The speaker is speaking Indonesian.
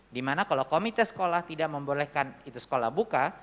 dimana kalau komite sekolah tidak membolehkan itu sekolah buka